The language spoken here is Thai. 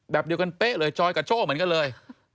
แบบเดียวกันเป๊ะเลยจอยกับโจ้เหมือนกันเลย